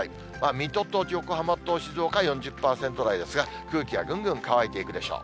水戸と横浜と静岡は４０％台ですが、空気はぐんぐん乾いていくでしょう。